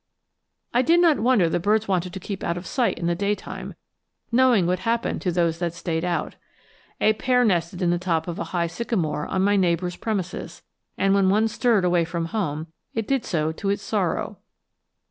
I did not wonder the birds wanted to keep out of sight in the daytime, knowing what happened to those that stayed out. A pair nested in the top of a high sycamore on my neighbors' premises, and when one stirred away from home, it did so to its sorrow.